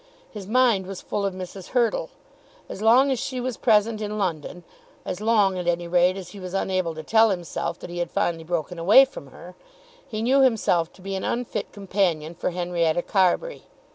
His mind was full of Mrs. Hurtle. As long as she was present in London, as long at any rate as he was unable to tell himself that he had finally broken away from her, he knew himself to be an unfit companion for Henrietta Carbury.